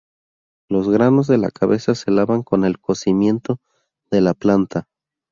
Los granos de la cabeza se lavan con el cocimiento de la planta.